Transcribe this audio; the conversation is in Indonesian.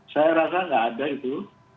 saya rasa nggak ada itu